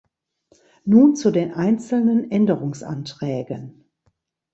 Nun zu den einzelnen Änderungsanträgen.